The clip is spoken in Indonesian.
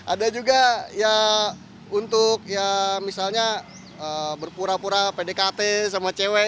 ada juga ya untuk ya misalnya berpura pura pdkt sama cewek